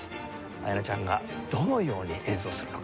彩奈ちゃんがどのように演奏するのか。